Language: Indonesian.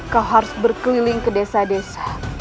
kau harus berkeliling ke desa desa